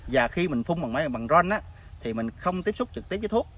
và khi mình phun bằng ron thì mình không tiếp xúc trực tiếp với thuốc